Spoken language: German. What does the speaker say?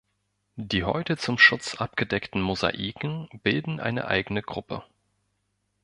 Die heute zum Schutz abgedeckten Mosaiken bilden eine eigene Gruppe.